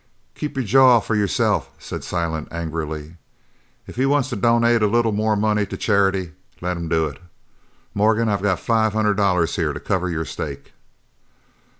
"You keep your jaw for yourself," said Silent angrily, "if he wants to donate a little more money to charity, let him do it. Morgan, I've got five hundred here to cover your stake."